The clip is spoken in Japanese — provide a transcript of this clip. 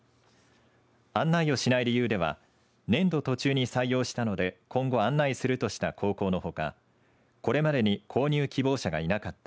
案内をしない理由では年度途中に採用したので今後案内するとした高校のほかこれまでに購入希望者がいなかった。